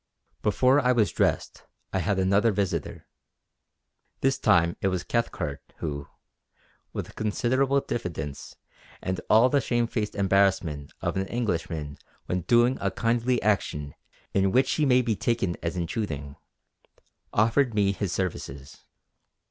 Before I was dressed I had another visitor. This time it was Cathcart who, with considerable diffidence and all the shamefaced embarrassment of an Englishman when doing a kindly action in which he may be taken as intruding, offered me his services.